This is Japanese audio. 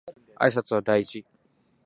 挨拶は大事